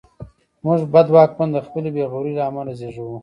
موږ بد واکمن د خپلې بېغورۍ له امله زېږوو.